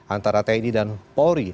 antara tni dan polri